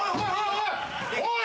おい！